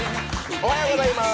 おはようございます。